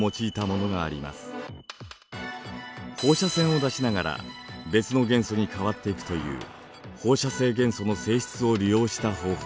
放射線を出しながら別の元素に変わっていくという放射性元素の性質を利用した方法です。